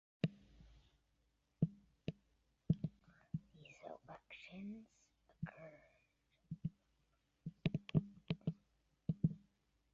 These elections occurred in the middle of Democratic President Woodrow Wilson's first term.